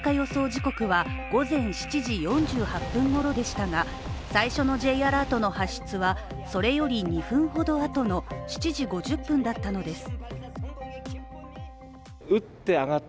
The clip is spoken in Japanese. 時刻は午前７時４８分ごろでしたが最初のＪアラートの発出はそれより２分ほどあとの７時５０分だったのです。